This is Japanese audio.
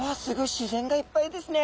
自然がいっぱいですね。